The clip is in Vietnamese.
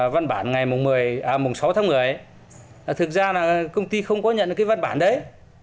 văn bản ngày sáu tháng một mươi thực ra là công ty không có nhận được cái văn bản đấy